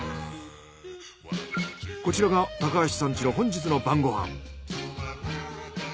こちらが橋さん家の本日の晩ご飯。